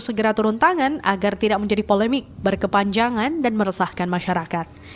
segera turun tangan agar tidak menjadi polemik berkepanjangan dan meresahkan masyarakat